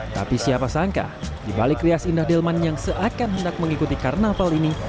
tapi siapa sangka di balik krias indah delman yang seakan hendak mengikuti karnaval ini